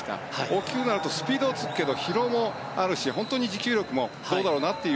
大きくなるとスピードはつくけど疲労もあるし持久力もどうだろうなと。